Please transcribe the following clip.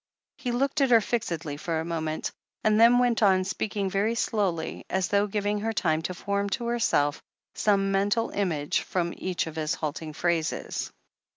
He looked at her fixedly for a moment, and then went on speaking very slowly, as though giving her time to form to herself some mental image from each of his halting phrases.